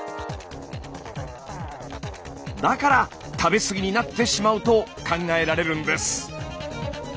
だから食べ過ぎになってしまうと考えられるんです。